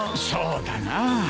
そうだな。